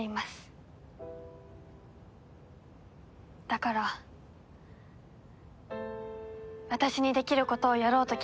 だから私にできることをやろうと決めたんです。